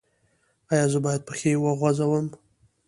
ایا زه باید پښې وغځوم؟